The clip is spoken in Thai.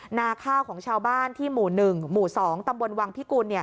นาข้าวของชาวบ้านที่หมู่๑หมู่๒ตำบลวังพิกุลเนี่ย